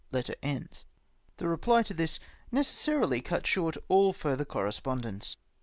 The reply to this necessarily cut short all further correspondence.